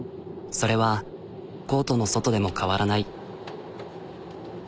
それはコートの外でも変わらない。